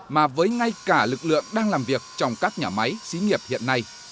mà với ngay cả lực lượng đang làm việc trong các nhà máy xí nghiệp hiện nay